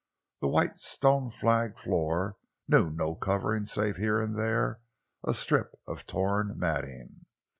The white, stone flagged floor knew no covering save here and there a strip of torn matting.